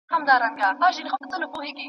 که قرض وکړئ ژوند به مو تريخ سي.